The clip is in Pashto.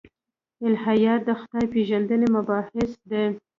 الهیات د خدای پېژندنې مباحث دي.